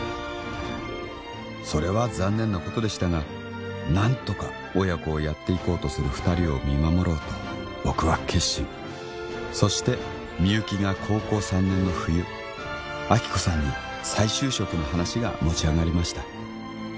それは残念なことでしたが何とか親子をやっていこうとする二人を見守ろうと僕は決心そしてみゆきが高校３年の冬亜希子さんに再就職の話が持ち上がりました